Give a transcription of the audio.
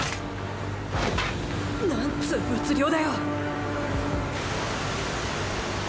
なんつぅ物量だよ。